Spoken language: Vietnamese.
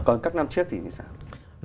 còn các năm trước thì như thế nào